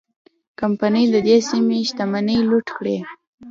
کمپنۍ د دې سیمې شتمنۍ لوټ کړې.